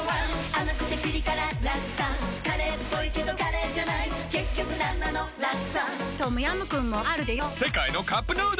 甘くてピリ辛ラクサカレーっぽいけどカレーじゃない結局なんなのラクサトムヤムクンもあるでヨ世界のカップヌードル